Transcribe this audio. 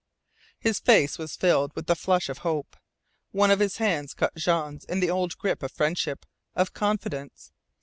His face was filled with the flush of hope. One of his hands caught Jean's in the old grip of friendship of confidence.